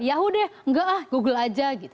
ya udah enggak google saja